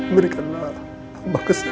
berikanlah abba kesembuhan